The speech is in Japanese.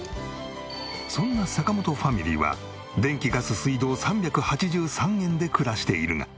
そんな坂本ファミリーは電気ガス水道３８３円で暮らしているが。